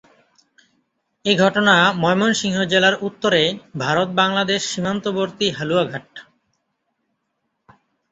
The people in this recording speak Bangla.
এ ঘটনা ময়মনসিংহ জেলার উত্তরে ভারত-বাংলাদেশ সীমান্তবর্তী হালুয়াঘাট।